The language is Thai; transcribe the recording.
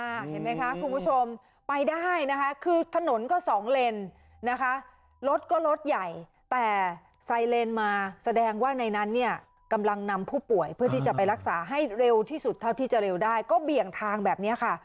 เห็นไหมคะคุณผู้ชมไปได้นะคะคือถนนก็สองเลนนะคะรถก็รถใหญ่แต่ไซเลนมาแสดงว่าในนั้นเนี่ยกำลังนำผู้ป่วยเพื่อที่จะไปรักษาให้เร็วที่สุดเท่าที่จะเร็วได้ก็เบี่ยงทางแบบนี้ค่ะ